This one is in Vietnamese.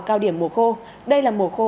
cao điểm mùa khô đây là mùa khô